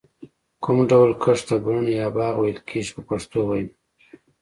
کوم ډول کښت ته بڼ یا باغ ویل کېږي په پښتو وینا.